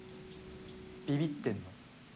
ビビってんの？